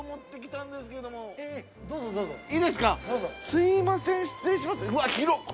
すいません失礼しますうわ広っ！